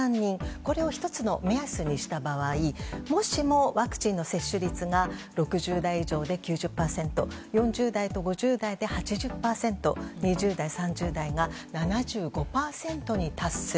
これを１つの目安にした場合もしもワクチンの接種率が６０代以上で９０％４０代と５０代で８０％２０代、３０代が７５％に達する。